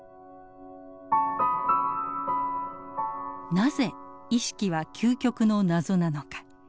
なぜ意識は究極の謎なのか。